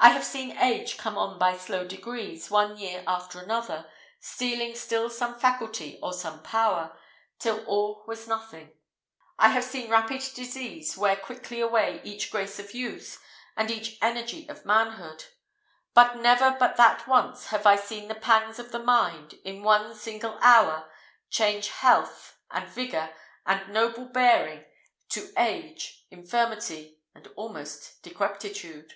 I have seen age come on by slow degrees, one year after another, stealing still some faculty or some power, till all was nothing I have seen rapid disease wear quickly away each grace of youth, and each energy of manhood; but never but that once have I seen the pangs of the mind, in one single hour, change health, and vigour, and noble bearing to age, infirmity, and almost decrepitude.